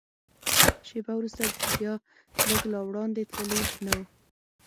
شېبه وروسته بیا، لږ لا وړاندې تللي نه و.